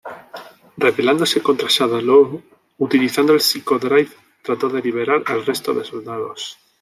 Rebelándose contra Shadaloo, utilizando el Psycho Drive trató de liberar al resto de soldados.